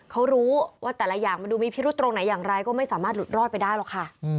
เขารู้ว่าแต่ละอย่างมันดูมีพิรุษตรงไหนอย่างไรก็ไม่สามารถหลุดรอดไปได้หรอกค่ะ